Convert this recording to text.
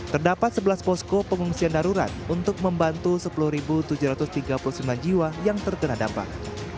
terdapat sebelas posko pengungsian darurat untuk membantu sepuluh tujuh ratus tiga puluh sembilan jiwa yang terkena dampak